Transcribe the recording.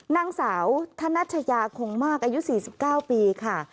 นางสาวธนัชยาคงมากอายุ๔๙ปีค่ะ